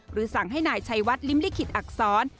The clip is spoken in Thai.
สั่งให้นายชัยวัดลิ้มลิขิตอักษร